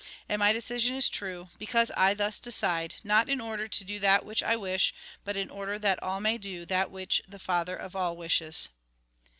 And my decision is true, because I thus decide, not in oi'der to do that which I wish, but in order that all may do that which the Father of all wishes.